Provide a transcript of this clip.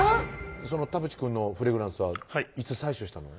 その田渕くんのフレグランスはいつ採取したの？